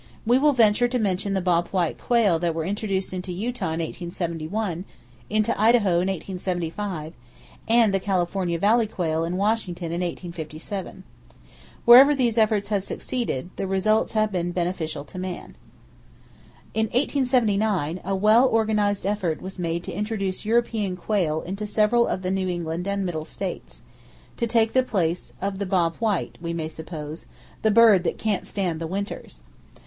We will venture to mention the bob white quail that were introduced into Utah in 1871, into Idaho in 1875, and the California valley quail in Washington in 1857. Wherever these efforts have succeeded, the results have been beneficial to man. In 1879 a well organized effort was made to introduce European quail into several of the New England and Middle States,—to take the place of the bob white, we may suppose,—the bird that "can't stand the winters!"